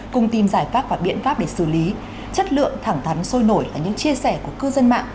cùng tìm giải pháp và biện pháp để xử lý chất lượng thẳng thắn sôi nổi là những chia sẻ của cư dân mạng